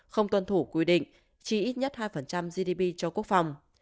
không tuân thủ quy định chi ít nhất hai gdp cho quốc phòng